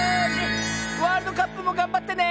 ワールドカップもがんばってね！